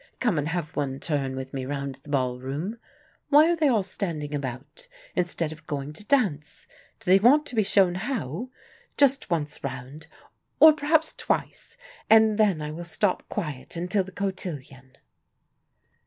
"Come and have one turn with me round the ball room. Why are they all standing about, instead of going to dance? Do they want to be shown how? Just once round, or perhaps twice, and then I will stop quiet until the cotillion."